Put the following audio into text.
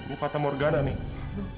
ini patah morgana nih